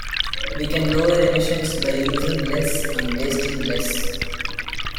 We can lower emissions by using less and wasting less.